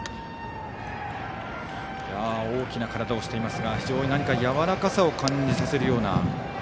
大きな体をしていますがやわらかさを感じさせるような。